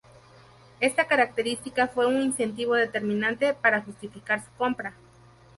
Esta característica fue un incentivo determinante para justificar su compra.